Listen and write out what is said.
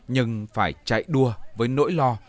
nhưng phải chạy đua với nỗi lo